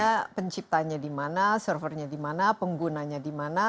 bagaimana penciptanya di mana servernya di mana penggunanya di mana